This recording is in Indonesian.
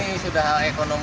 ini sudah ekonomi